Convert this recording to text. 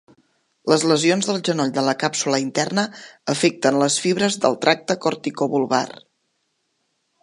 Les lesions del genoll de la càpsula interna afecten les fibres del tracte corticobulbar.